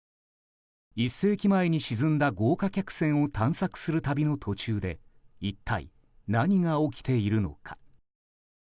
１世紀前に沈んだ豪華客船を探索する旅の途中で一体何が起きているのか。